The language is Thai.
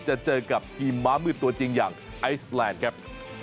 จะเจอกับทีมม้ามืดตัวจริงอย่างไอซแลนด์ครับ